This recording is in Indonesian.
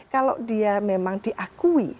kalau dia memang diakui